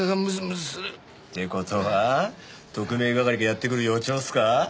って事は特命係がやってくる予兆っすか？